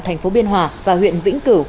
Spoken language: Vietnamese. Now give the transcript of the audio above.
thành phố biên hòa và huyện vĩnh cửu